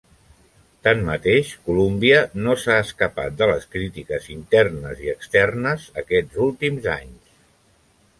Tanmateix, Columbia no s'ha escapat de les crítiques internes i externes aquests últims anys.